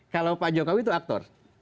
kalau pak jokowi itu aktor